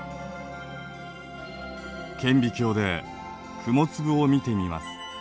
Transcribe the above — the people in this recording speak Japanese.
顕微鏡で雲粒を見てみます。